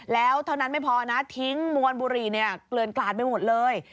แล้วเท่านั้นไม่พอนะทิ้งมวลบุหรี่เนี่ยเกลือนกลาดไปหมดเลย